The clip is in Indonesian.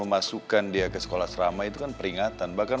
mas rasyu itu kan